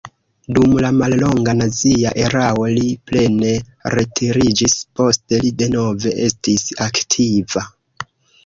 Dum la mallonga nazia erao li plene retiriĝis, poste li denove estis aktiva.